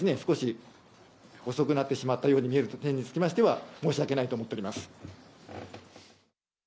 結果的にですね少し遅くなってしまったように見える点につきましては申し訳ないと思っております。